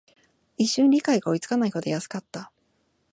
一瞬、理解が追いつかないほど安かった